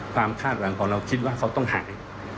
คาดหวังของเราคิดว่าเขาต้องหาย